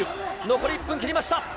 残り１分切りました。